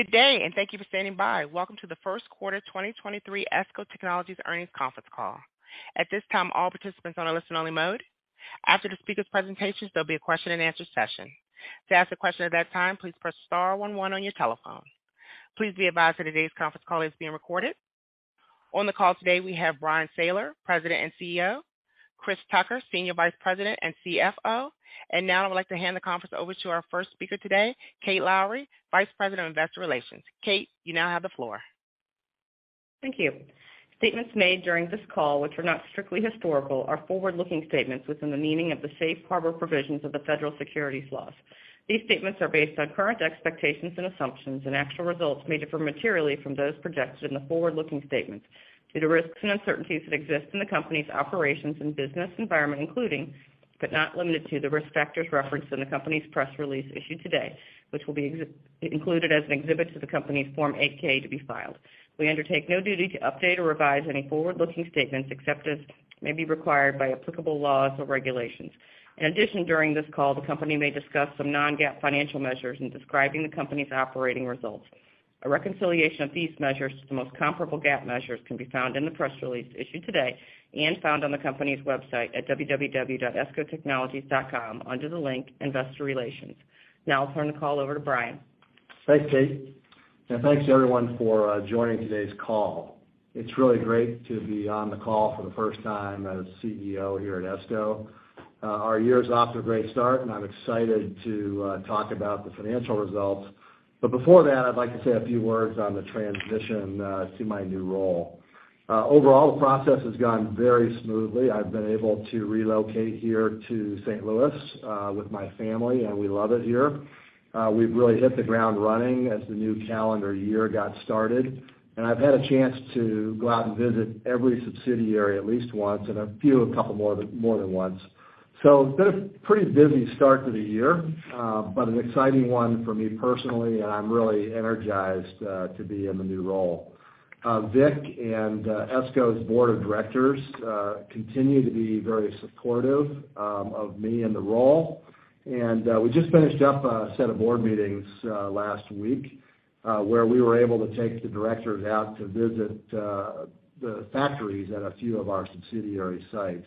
Good day, and thank you for standing by. Welcome to the first quarter 2023 ESCO Technologies Earnings Conference Call. At this time, all participants are on a listen only mode. After the speaker's presentations, there'll be a question-and-answer session. To ask a question at that time, please press star one one on your telephone. Please be advised that today's conference call is being recorded. On the call today, we have Bryan Sayler, President and CEO; Chris Tucker, Senior Vice President and CFO. Now I would like to hand the conference over to our first speaker today, Kate Lowrey, Vice President of Investor Relations. Kate, you now have the floor. Thank you. Statements made during this call, which are not strictly historical, are forward-looking statements within the meaning of the safe harbor provisions of the federal securities laws. These statements are based on current expectations and assumptions, and actual results may differ materially from those projected in the forward-looking statements due to risks and uncertainties that exist in the company's operations and business environment, including, but not limited to, the risk factors referenced in the company's press release issued today, which will be included as an exhibit to the company's Form 8-K to be filed. We undertake no duty to update or revise any forward-looking statements except as may be required by applicable laws or regulations. In addition, during this call, the company may discuss some non-GAAP financial measures in describing the company's operating results. A reconciliation of these measures to the most comparable GAAP measures can be found in the press release issued today and found on the company's website at www.escotechnologies.com under the link Investor Relations. I'll turn the call over to Bryan Sayler. Thanks, Kate Lowrey, and thanks, everyone, for joining today's call. It's really great to be on the call for the first time as CEO here at ESCO. Our year's off to a great start, and I'm excited to talk about the financial results. Before that, I'd like to say a few words on the transition to my new role. Overall, the process has gone very smoothly. I've been able to relocate here to St. Louis with my family, and we love it here. We've really hit the ground running as the new calendar year got started, and I've had a chance to go out and visit every subsidiary at least once, and a few, a couple more than, more than once. It's been a pretty busy start to the year, but an exciting one for me personally, and I'm really energized to be in the new role. Vic and ESCO's board of directors continue to be very supportive of me and the role. We just finished up a set of board meetings last week, where we were able to take the directors out to visit the factories at a few of our subsidiary sites.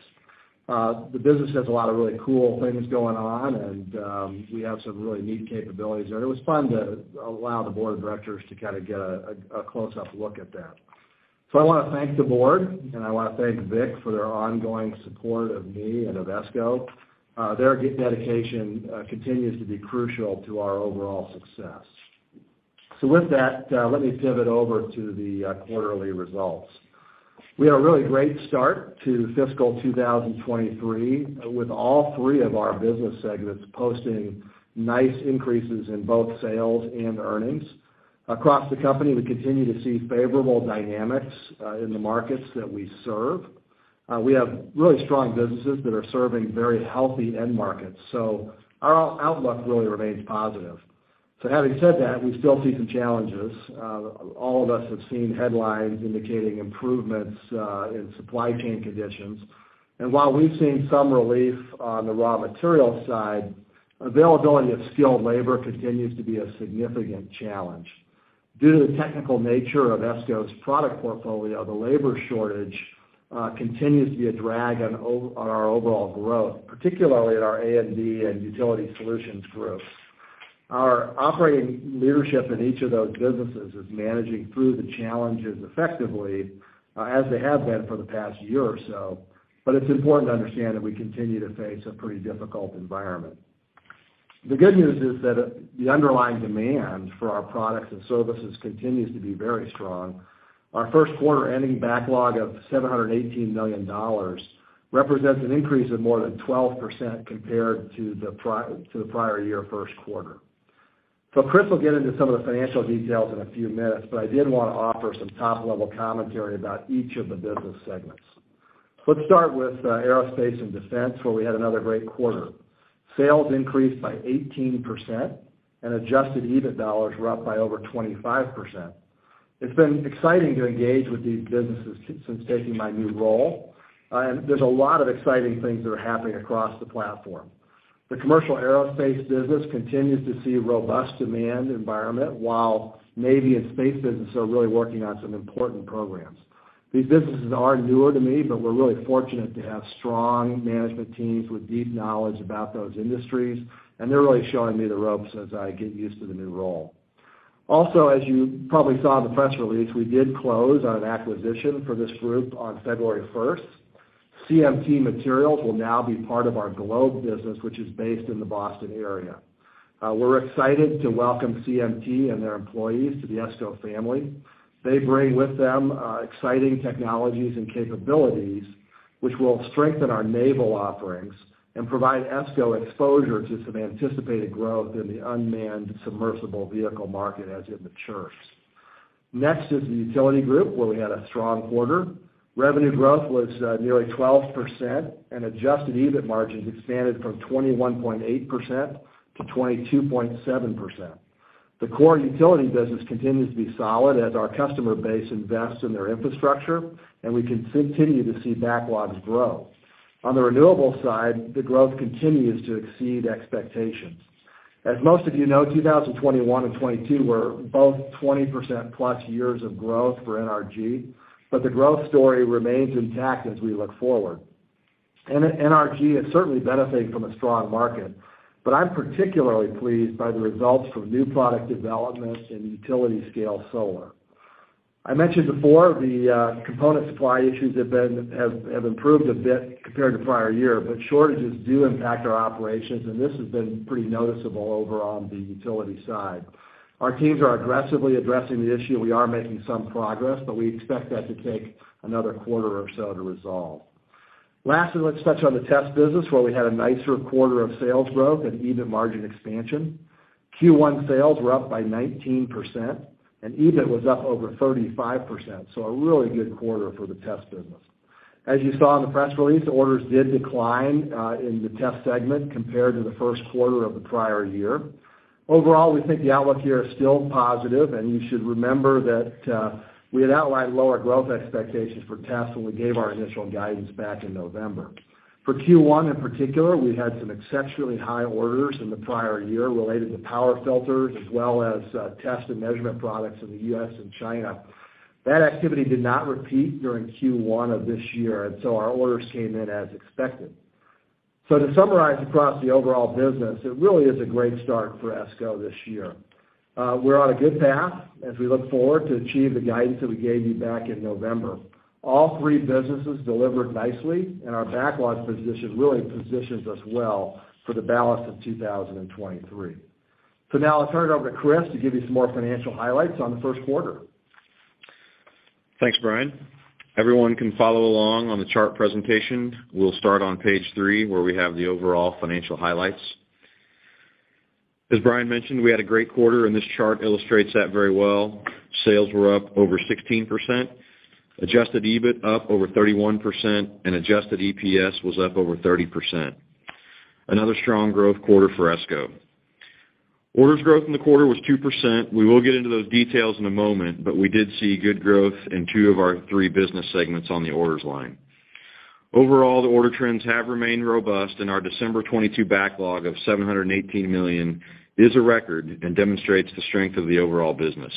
The business has a lot of really cool things going on, and we have some really neat capabilities there. It was fun to allow the board of directors to kind of get a close-up look at that. I wanna thank the board, and I wanna thank Vic for their ongoing support of me and of ESCO Technologies. Their dedication continues to be crucial to our overall success. With that, let me pivot over to the quarterly results. We had a really great start to fiscal 2023, with all three of our business segments posting nice increases in both sales and earnings. Across the company, we continue to see favorable dynamics in the markets that we serve. We have really strong businesses that are serving very healthy end markets, our outlook really remains positive. Having said that, we still see some challenges. All of us have seen headlines indicating improvements in supply chain conditions. While we've seen some relief on the raw material side, availability of skilled labor continues to be a significant challenge. Due to the technical nature of ESCO's product portfolio, the labor shortage continues to be a drag on our overall growth, particularly at our A&D and Utility Solutions Group. Our operating leadership in each of those businesses is managing through the challenges effectively, as they have been for the past year or so, but it's important to understand that we continue to face a pretty difficult environment. The good news is that the underlying demand for our products and services continues to be very strong. Our first quarter ending backlog of $718 million represents an increase of more than 12% compared to the prior year first quarter. Chris Tucker will get into some of the financial details in a few minutes, but I did wanna offer some top-level commentary about each of the business segments. Let's start with Aerospace & Defense, where we had another great quarter. Sales increased by 18%. Adjusted EBIT dollars were up by over 25%. It's been exciting to engage with these businesses since taking my new role. There's a lot of exciting things that are happening across the platform. The commercial aerospace business continues to see robust demand environment, while Navy and Space business are really working on some important programs. These businesses are newer to me. We're really fortunate to have strong management teams with deep knowledge about those industries. They're really showing me the ropes as I get used to the new role. As you probably saw in the press release, we did close on an acquisition for this group on February 1st. CMT Materials will now be part of our Globe business, which is based in the Boston area. We're excited to welcome CMT and their employees to the ESCO family. They bring with them exciting technologies and capabilities, which will strengthen our naval offerings and provide ESCO exposure to some anticipated growth in the unmanned submersible vehicle market as it matures. Next is the Utility group, where we had a strong quarter. Revenue growth was nearly 12%, and adjusted EBIT margins expanded from 21.8% to 22.7%. The core utility business continues to be solid as our customer base invests in their infrastructure, and we continue to see backlogs grow. On the renewables side, the growth continues to exceed expectations. As most of you know, 2021 and 2022 were both 20%+ years of growth for NRG, but the growth story remains intact as we look forward. NRG has certainly benefited from a strong market, but I'm particularly pleased by the results from new product developments in utility-scale solar. I mentioned before the component supply issues have improved a bit compared to prior year, but shortages do impact our operations, and this has been pretty noticeable over on the utility side. Our teams are aggressively addressing the issue, we are making some progress, but we expect that to take another quarter or so to resolve. Last, let's touch on the test business where we had a nicer quarter of sales growth and EBIT margin expansion. Q1 sales were up by 19%, EBIT was up over 35%, a really good quarter for the test business. As you saw in the press release, orders did decline in the test segment compared to the first quarter of the prior year. Overall, we think the outlook here is still positive, you should remember that we had outlined lower growth expectations for tests when we gave our initial guidance back in November. For Q1, in particular, we had some exceptionally high orders in the prior year related to power filters as well as test and measurement products in the U.S. and China. That activity did not repeat during Q1 of this year, our orders came in as expected. To summarize across the overall business, it really is a great start for ESCO this year. We're on a good path as we look forward to achieve the guidance that we gave you back in November. All three businesses delivered nicely, and our backlog position really positions us well for the balance of 2023. Now I'll turn it over to Chris Tucker to give you some more financial highlights on the first quarter. Thanks, Bryan Sayler. Everyone can follow along on the chart presentation. We'll start on page three, where we have the overall financial highlights. As Bryan Sayler mentioned, we had a great quarter, and this chart illustrates that very well. Sales were up over 16%. Adjusted EBIT up over 31%, and adjusted EPS was up over 30%. Another strong growth quarter for ESCO. Orders growth in the quarter was 2%. We will get into those details in a moment, but we did see good growth in two of our three business segments on the orders line. Overall, the order trends have remained robust, and our December 2022 backlog of $718 million is a record and demonstrates the strength of the overall business.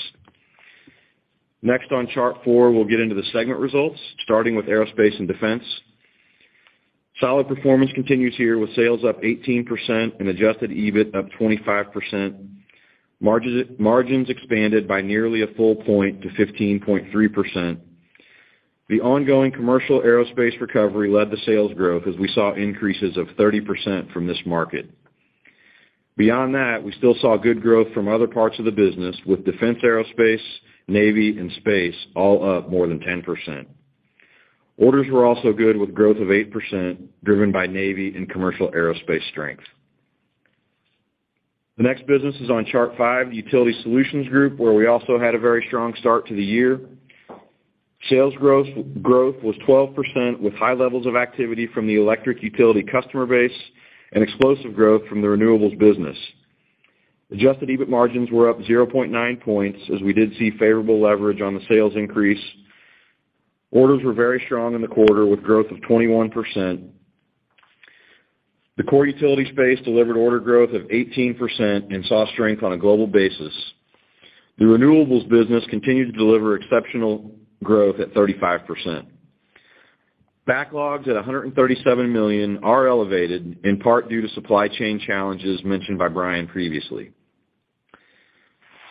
Next on chart four, we'll get into the segment results, starting with Aerospace & Defense. Solid performance continues here with sales up 18% and adjusted EBIT up 25%. Margins expanded by nearly a full point to 15.3%. The ongoing commercial aerospace recovery led to sales growth as we saw increases of 30% from this market. Beyond that, we still saw good growth from other parts of the business with defense aerospace, Navy, and space all up more than 10%. Orders were also good with growth of 8% driven by Navy and commercial aerospace strength. The next business is on chart five, the Utility Solutions Group, where we also had a very strong start to the year. Growth was 12%, with high levels of activity from the electric utility customer base and explosive growth from the renewables business. Adjusted EBIT margins were up 0.9 points, as we did see favorable leverage on the sales increase. Orders were very strong in the quarter, with growth of 21%. The core utility space delivered order growth of 18% and saw strength on a global basis. The renewables business continued to deliver exceptional growth at 35%. Backlogs at $137 million are elevated, in part due to supply chain challenges mentioned by Bryan previously.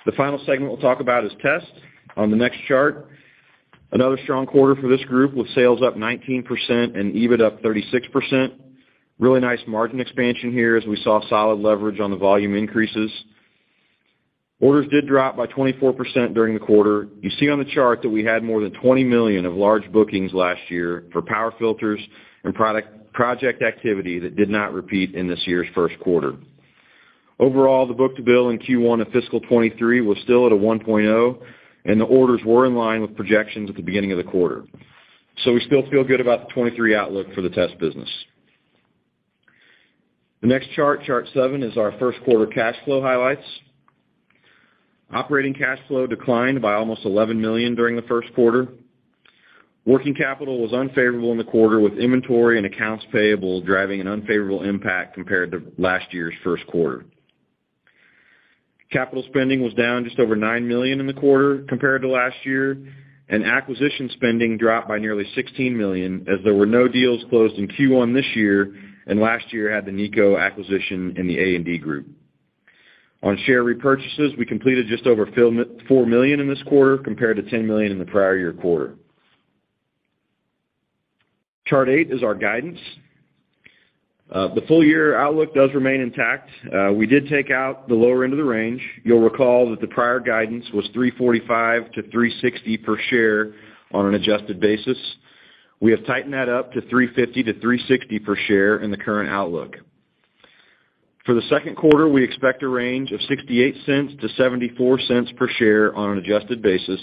The final segment we'll talk about is Test on the next chart. Another strong quarter for this group, with sales up 19% and EBIT up 36%. Really nice margin expansion here as we saw solid leverage on the volume increases. Orders did drop by 24% during the quarter. You see on the chart that we had more than $20 million of large bookings last year for power filters and project activity that did not repeat in this year's first quarter. The book-to-bill in Q1 of fiscal 2023 was still at a 1.0, the orders were in line with projections at the beginning of the quarter. We still feel good about the 2023 outlook for the test business. The next chart seven, is our first quarter cash flow highlights. Operating cash flow declined by almost $11 million during the first quarter. Working capital was unfavorable in the quarter, with inventory and accounts payable driving an unfavorable impact compared to last year's first quarter. Capital spending was down just over $9 million in the quarter compared to last year, and acquisition spending dropped by nearly $16 million, as there were no deals closed in Q1 this year, and last year had the NEco acquisition in the A&D group. On share repurchases, we completed just over $4 million in this quarter compared to $10 million in the prior year quarter. Chart eight is our guidance. The full year outlook does remain intact. We did take out the lower end of the range. You'll recall that the prior guidance was $3.45-$3.60 per share on an adjusted basis. We have tightened that up to $3.50-$3.60 per share in the current outlook. For the second quarter, we expect a range of $0.68-$0.74 per share on an adjusted basis.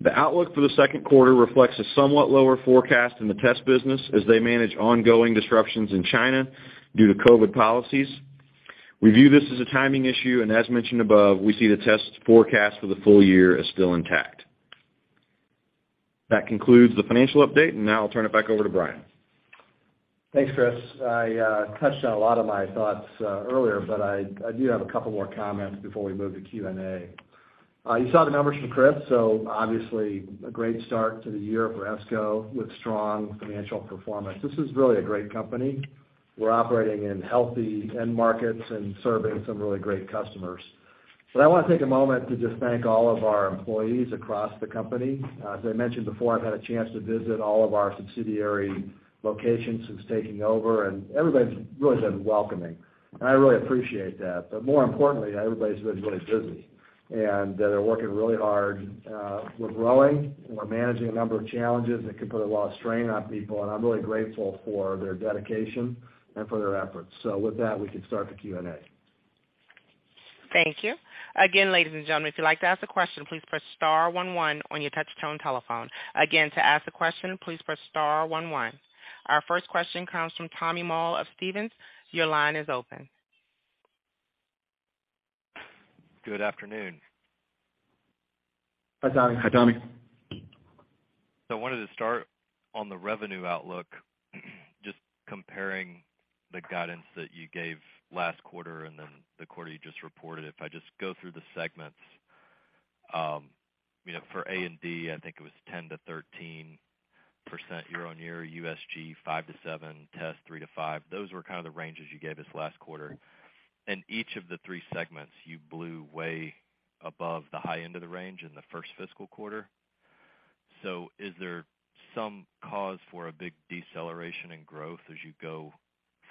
The outlook for the second quarter reflects a somewhat lower forecast in the Test business as they manage ongoing disruptions in China due to COVID policies. We view this as a timing issue, and as mentioned above, we see the Test forecast for the full year as still intact. That concludes the financial update. Now I'll turn it back over to Bryan Sayler. Thanks, Chris Tucker. I touched on a lot of my thoughts earlier, but I do have a couple more comments before we move to Q&A. You saw the numbers from Chris. Obviously a great start to the year for ESCO with strong financial performance. This is really a great company. We're operating in healthy end markets and serving some really great customers. I wanna take a moment to just thank all of our employees across the company. As I mentioned before, I've had a chance to visit all of our subsidiary locations since taking over, and everybody's really been welcoming, and I really appreciate that. More importantly, everybody's been really busy, and they're working really hard. We're growing, and we're managing a number of challenges that can put a lot of strain on people, and I'm really grateful for their dedication and for their efforts. With that, we can start the Q&A. Thank you. Again, ladies and gentlemen, if you'd like to ask a question, please press star one one on your touch tone telephone. Again, to ask a question, please press star one one. Our first question comes from Tommy Moll of Stephens. Your line is open. Good afternoon. Hi, Tommy Moll. Hi, Tommy Moll. I wanted to start on the revenue outlook, just comparing the guidance that you gave last quarter and then the quarter you just reported. If I just go through the segments, you know, for A&D, I think it was 10%-13% year-over-year, USG 5%-7%, Test 3%-5%. Those were kind of the ranges you gave us last quarter. In each of the three segments, you blew way above the high end of the range in the first fiscal quarter. Is there some cause for a big deceleration in growth as you go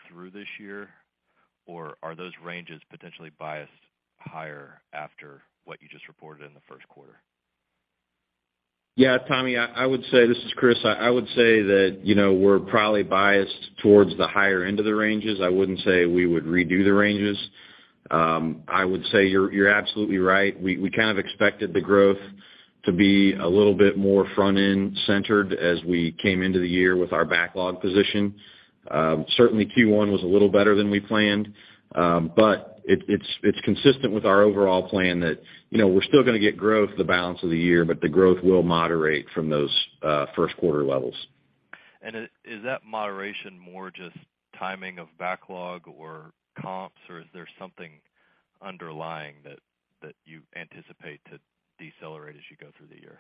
through this year, or are those ranges potentially biased higher after what you just reported in the first quarter? Tommy, I would say this is Chris Tucker. I would say that, you know, we're probably biased towards the higher end of the ranges. I wouldn't say we would redo the ranges. I would say you're absolutely right. We kind of expected the growth to be a little bit more front end centered as we came into the year with our backlog position. Certainly Q1 was a little better than we planned, but it's consistent with our overall plan that, you know, we're still gonna get growth the balance of the year, but the growth will moderate from those first quarter levels. Is that moderation more just timing of backlog or comps, or is there something underlying that you anticipate to decelerate as you go through the year?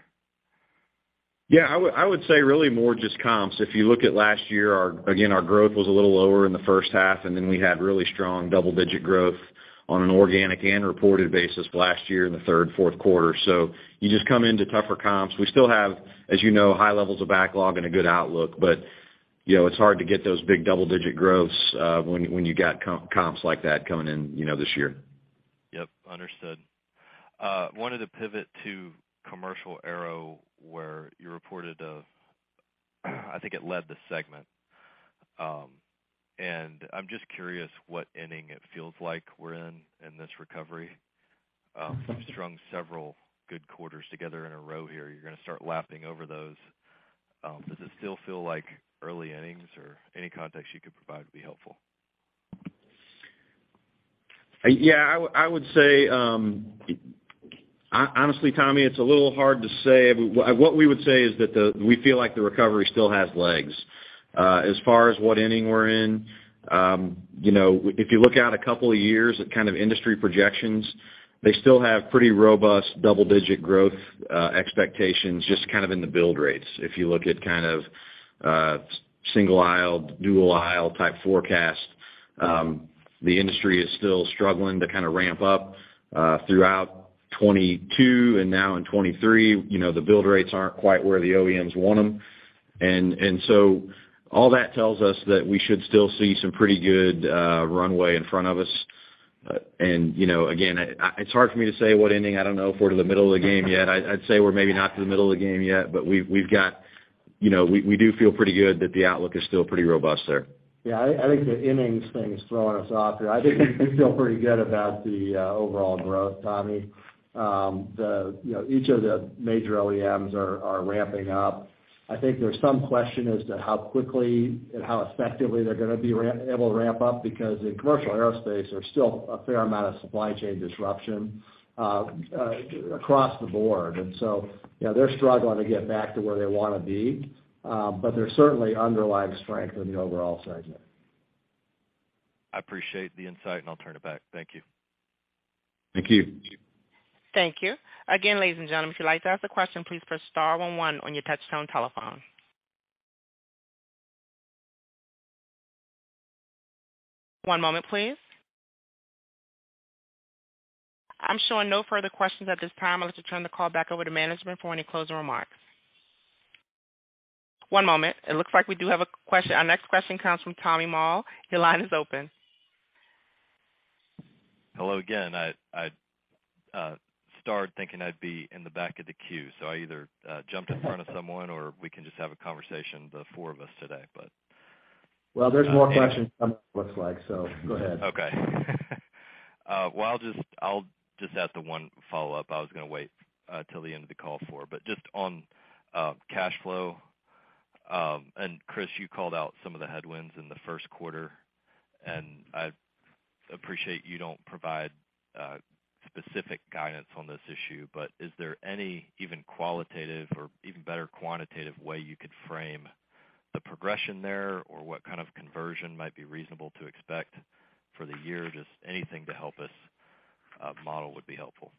Yeah, I would say really more just comps. If you look at last year, our, again, our growth was a little lower in the first half, and then we had really strong double-digit growth on an organic and reported basis last year in the third, fourth quarter. You just come into tougher comps. We still have, as you know, high levels of backlog and a good outlook. You know, it's hard to get those big double-digit growths when you got comps like that coming in, you know, this year. Yep, understood. Wanted to pivot to commercial aero, where you reported a, I think it led the segment. I'm just curious what inning it feels like we're in in this recovery? You've strung several good quarters together in a row here. You're gonna start lapping over those. Does it still feel like early innings or any context you could provide would be helpful? Yeah, I would say, Honestly, Tommy, it's a little hard to say. What we would say is that, we feel like the recovery still has legs. As far as what inning we're in, you know, if you look out a couple of years at kind of industry projections, they still have pretty robust double-digit growth expectations, just kind of in the build rates. If you look at kind of single-aisle, dual-aisle type forecast, the industry is still struggling to kind of ramp up throughout 2022 and now in 2023. You know, the build rates aren't quite where the OEMs want them. All that tells us that we should still see some pretty good runway in front of us. And, you know, again, it's hard for me to say what inning. I don't know if we're to the middle of the game yet. I'd say we're maybe not to the middle of the game yet, but we've got... You know, we do feel pretty good that the outlook is still pretty robust there. Yeah, I think the innings thing is throwing us off here. I think we feel pretty good about the overall growth, Tommy Moll. The, you know, each of the major OEMs are ramping up. I think there's some question as to how quickly and how effectively they're gonna be able to ramp up because in commercial aerospace, there's still a fair amount of supply chain disruption across the board. You know, they're struggling to get back to where they wanna be, but there's certainly underlying strength in the overall segment. I appreciate the insight, and I'll turn it back. Thank you. Thank you. Thank you. Again, ladies and gentlemen, if you'd like to ask a question, please press star one one on your touch tone telephone. One moment, please. I'm showing no further questions at this time. I'd like to turn the call back over to management for any closing remarks. One moment. It looks like we do have a question. Our next question comes from Tommy Moll. Your line is open. Hello again. I started thinking I'd be in the back of the queue, so I either jumped in front of someone, or we can just have a conversation, the four of us today, but. There's more questions coming, it looks like, so go ahead. Okay. Well, I'll just ask the one follow-up I was gonna wait till the end of the call for. Just on cash flow and Chris Tucker, you called out some of the headwinds in the first quarter, and I appreciate you don't provide specific guidance on this issue, but is there any even qualitative or even better quantitative way you could frame the progression there or what kind of conversion might be reasonable to expect for the year? Just anything to help us model would be helpful.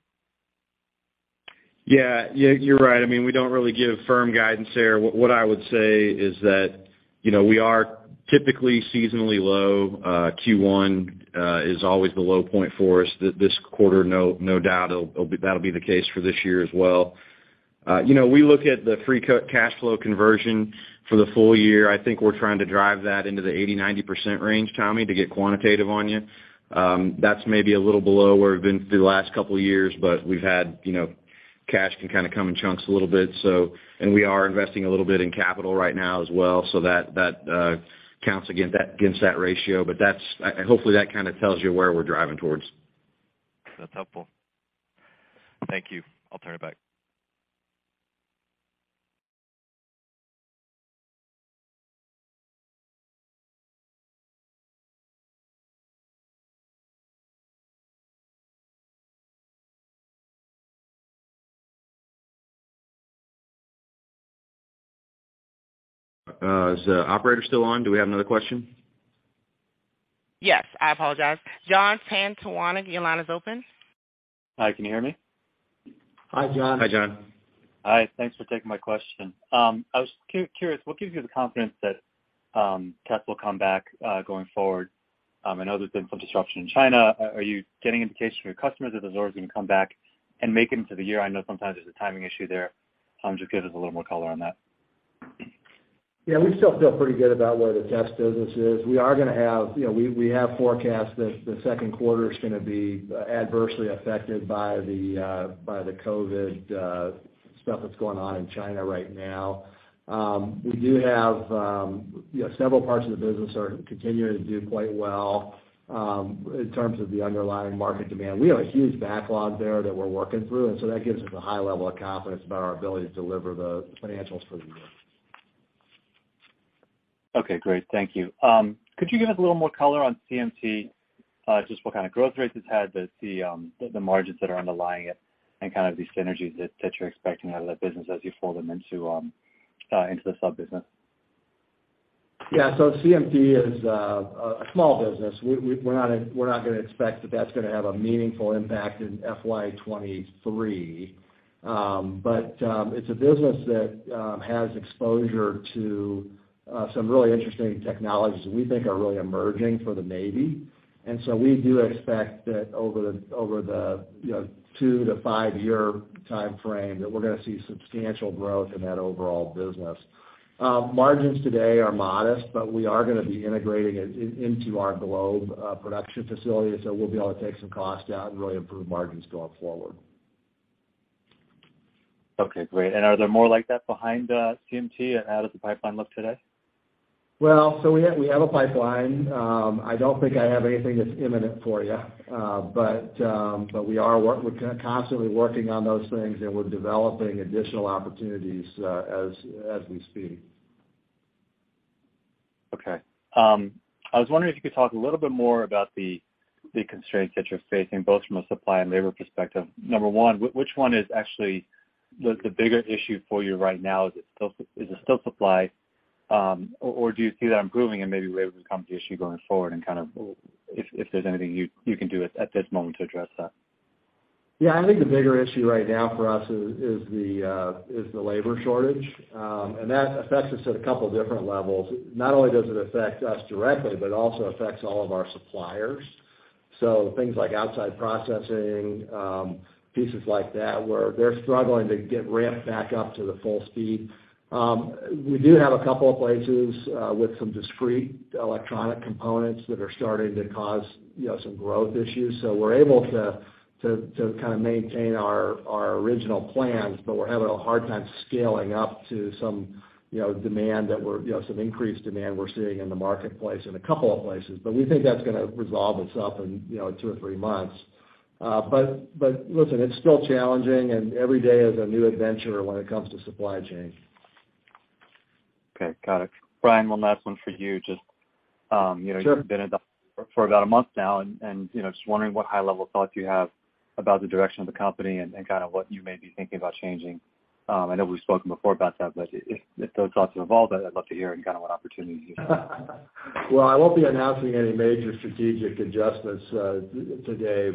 Yeah, you're right. I mean, we don't really give firm guidance there. What I would say is that, you know, we are typically seasonally low. Q1 is always the low point for us. This quarter, no doubt that'll be the case for this year as well. You know, we look at the free cash flow conversion for the full year. I think we're trying to drive that into the 80%-90% range, Tommy, to get quantitative on you. That's maybe a little below where we've been through the last couple of years, but we've had, you know, cash can kind of come in chunks a little bit, so. We are investing a little bit in capital right now as well, so that counts against that, against that ratio. Hopefully, that kind of tells you where we're driving towards. That's helpful. Thank you. I'll turn it back. Is the operator still on? Do we have another question? Yes, I apologize. John Franzreb from Sidoti & Company, your line is open. Hi, can you hear me? Hi, John. Hi, John. Hi. Thanks for taking my question. I was curious. What gives you the confidence that test will come back going forward? I know there's been some disruption in China. Are you getting indications from your customers that the orders are gonna come back and make it into the year? I know sometimes there's a timing issue there. Just give us a little more color on that. Yeah. We still feel pretty good about where the test business is. You know, we have forecast that the second quarter is going to be adversely affected by the COVID stuff that's going on in China right now. We do have, you know, several parts of the business are continuing to do quite well, in terms of the underlying market demand. We have a huge backlog there that we're working through, so that gives us a high level of confidence about our ability to deliver the financials for the year. Okay. Great. Thank you. Could you give us a little more color on CMT, just what kind of growth rates it's had, the margins that are underlying it and kind of the synergies that you're expecting out of that business as you fold them into into the sub business? Yeah. CMT is a small business. We're not gonna expect that that's gonna have a meaningful impact in FY 2023. It's a business that has exposure to some really interesting technologies that we think are really emerging for the Navy. We do expect that over the, you know, two-five year timeframe, that we're gonna see substantial growth in that overall business. Margins today are modest, but we are gonna be integrating it into our Globe production facility, so we'll be able to take some costs out and really improve margins going forward. Okay. Great. Are there more like that behind, CMT, and how does the pipeline look today? We have, we have a pipeline. I don't think I have anything that's imminent for you. We're kinda constantly working on those things, and we're developing additional opportunities, as we speak. I was wondering if you could talk a little bit more about the constraints that you're facing, both from a supply and labor perspective. Number one, which one is actually the bigger issue for you right now? Is it still supply, or do you see that improving and maybe labor becomes the issue going forward and kind of if there's anything you can do at this moment to address that? Yeah. I think the bigger issue right now for us is the labor shortage. That affects us at a couple different levels. Not only does it affect us directly, but it also affects all of our suppliers. Things like outside processing, pieces like that, where they're struggling to get ramped back up to the full speed. We do have a couple of places with some discrete electronic components that are starting to cause, you know, some growth issues. We're able to kind of maintain our original plans, but we're having a hard time scaling up to some, you know, demand that we're, you know, some increased demand we're seeing in the marketplace in a couple of places. We think that's gonna resolve itself in, you know, two or three months. listen, it's still challenging, and every day is a new adventure when it comes to supply chain. Okay. Got it. Bryan, one last one for you. Just, you know. Sure. You've been in the for about a month now, and, you know, just wondering what high-level thoughts you have about the direction of the company and kind of what you may be thinking about changing. I know we've spoken before about that, but if those thoughts have evolved, I'd love to hear it and kind of what opportunities you have. Well, I won't be announcing any major strategic adjustments today.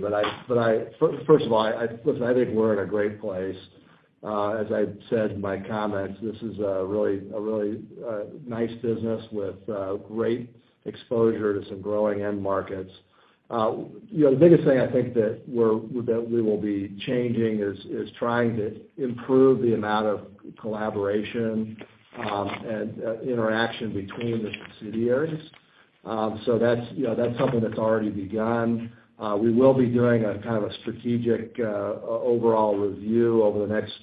First of all, I, listen, I think we're in a great place. As I said in my comments, this is a really nice business with great exposure to some growing end markets. You know, the biggest thing I think that we will be changing is trying to improve the amount of collaboration and interaction between the subsidiaries. That's, you know, that's something that's already begun. We will be doing a kind of a strategic overall review over the next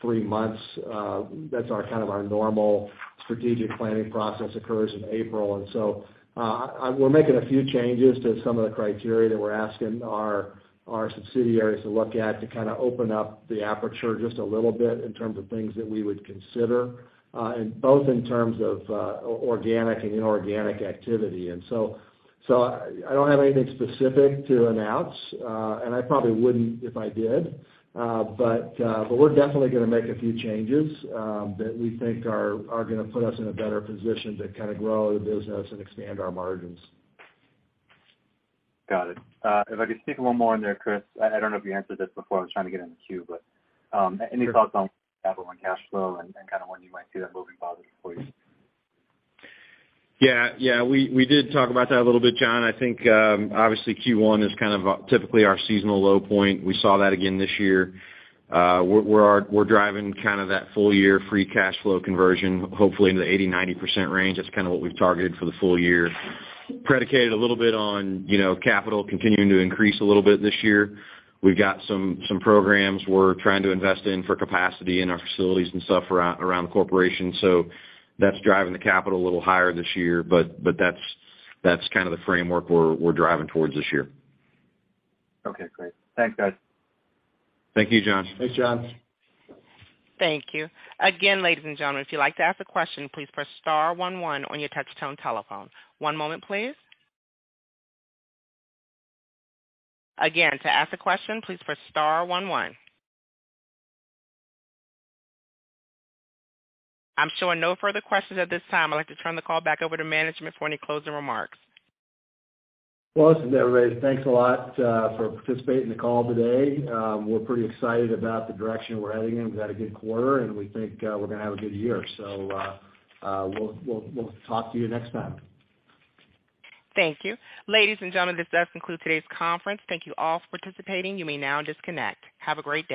three months. That's our kind of our normal strategic planning process occurs in April. We're making a few changes to some of the criteria that we're asking our subsidiaries to look at to kind of open up the aperture just a little bit in terms of things that we would consider, and both in terms of organic and inorganic activity. I don't have anything specific to announce, and I probably wouldn't if I did. But we're definitely gonna make a few changes that we think are gonna put us in a better position to kinda grow the business and expand our margins. Got it. If I could sneak one more in there, Chris Tucker, I don't know if you answered this before. I was trying to get in the queue, but any thoughts on capital and cash flow and kinda when you might see that moving positive for you? Yeah. We did talk about that a little bit, John Franz. I think, obviously Q1 is kind of typically our seasonal low point. We saw that again this year. We're driving kind of that full year free cash flow conversion, hopefully into the 80%-90% range. That's kind of what we've targeted for the full year. Predicated a little bit on, you know, capital continuing to increase a little bit this year. We've got some programs we're trying to invest in for capacity in our facilities and stuff around the corporation. That's driving the capital a little higher this year, but that's kind of the framework we're driving towards this year. Okay, great. Thanks, guys. Thank you, John. Thanks, John. Thank you. Again, ladies and gentlemen, if you'd like to ask a question, please press star one one on your touch-tone telephone. One moment, please. Again, to ask a question, please press star one one. I'm showing no further questions at this time. I'd like to turn the call back over to management for any closing remarks. Well, listen, everybody, thanks a lot, for participating in the call today. We're pretty excited about the direction we're heading in. We've had a good quarter, and we think, we're gonna have a good year. We'll talk to you next time. Thank you. Ladies and gentlemen, this does conclude today's conference. Thank you all for participating. You may now disconnect. Have a great day.